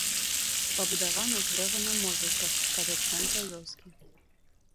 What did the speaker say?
Пабудавана з дрэва на могілках, каля цэнтра вёскі.